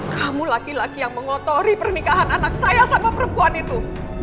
kamu laki laki yang mengotori pernikahan anak saya sama perempuan itu